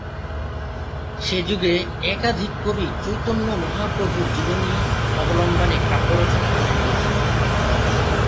সে যুগে একাধিক কবি চৈতন্য মহাপ্রভুর জীবনী অবলম্বনে কাব্য রচনা করে গিয়েছেন।